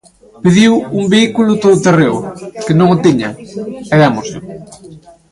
Pediu un vehículo todoterreo, que non o tiñan, e démosllo.